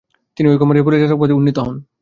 তিনি ঐ কোম্পানীর পরিচালক পদে উন্নীত হন।